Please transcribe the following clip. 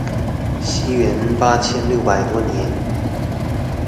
西元八千六百多年